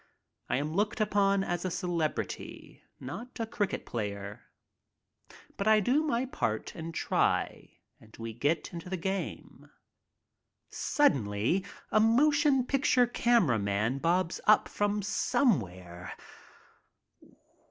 I am looked upon as a celebrity, not a cricket player. But I do my part and try and we get into the game. Suddenly a motion picture camera man bobs up from somewhere.